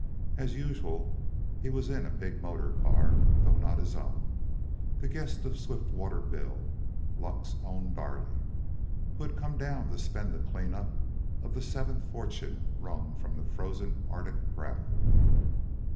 As usual, he was in a big motor car, though not his own, the guest of Swiftwater Bill, Luck's own darling, who had come down to spend the clean up of the seventh fortune wrung from the frozen Arctic gravel.